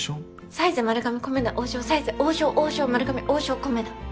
サイゼ丸亀コメダ王将サイゼ王将王将丸亀王将コメダ。